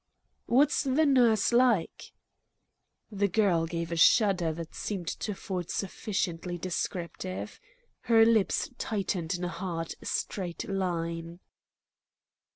"What's the nurse like?" The girl gave a shudder that seemed to Ford sufficiently descriptive. Her lips tightened in a hard, straight line.